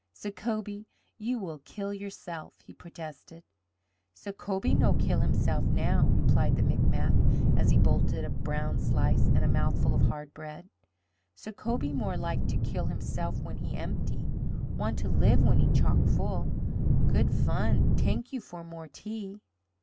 "Sacobie, you will kill yourself!" he protested. "Sacobie no kill himself now," replied the Micmac, as he bolted a brown slice and a mouthful of hard bread. "Sacobie more like to kill himself when he empty. Want to live when he chock full. Good fun. T'ank you for more tea."